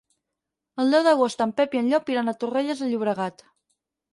El deu d'agost en Pep i en Llop iran a Torrelles de Llobregat.